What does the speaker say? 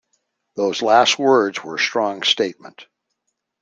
Those last words were a strong statement.